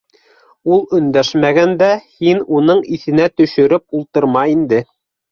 Ул өндәшмәгәндә, һин уның иҫенә төшөрөп ултырма инде.